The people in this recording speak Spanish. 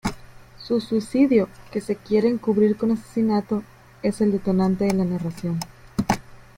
Su suicidio, que se quiere encubrir con asesinato, es el detonante de la narración.